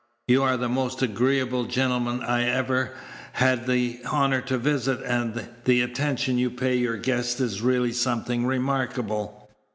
You are the most agreeable gentleman I ever had the honor to visit, and the attention you pay your guests is really something remarkable."